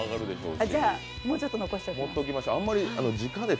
じゃあ、もうちょっと残しときます。